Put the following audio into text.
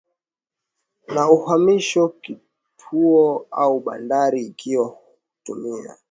na uhamisho kituo au bandari Ikiwa hutumia